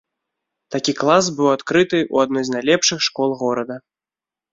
Такі клас быў адкрыты ў адной з найлепшых школ горада.